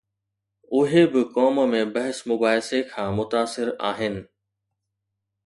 اهي به قوم ۾ بحث مباحثي کان متاثر آهن.